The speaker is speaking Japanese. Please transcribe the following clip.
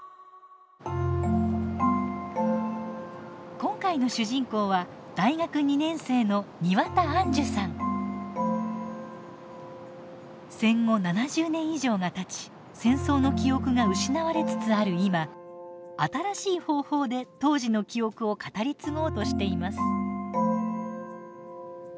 今回の主人公は戦後７０年以上がたち戦争の記憶が失われつつある今新しい方法で当時の記憶を語り継ごうとしています。